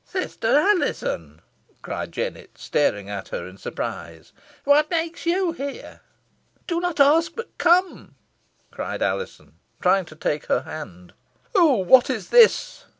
"Sister Alizon," cried Jennet, staring at her in surprise, "what makes you here?" "Do not ask but come," cried Alizon, trying to take her hand. "Oh! what is this?"